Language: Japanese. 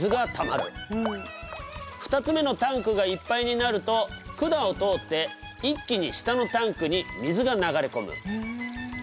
２つ目のタンクがいっぱいになると管を通って一気に下のタンクに水が流れ込む。